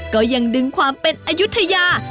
ก็ยังดึงความเป็นอายุทยา